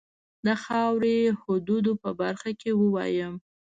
د خاوري حدودو په برخه کې ووایم.